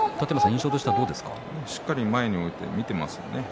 しっかり前に置いて見ています。